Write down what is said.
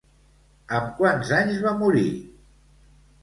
Amb quants anys va morir?